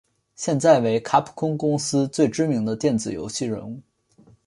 现在为卡普空公司最知名的电子游戏人物。